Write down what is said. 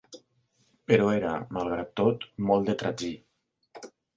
Però era, malgrat tot, molt de tragí.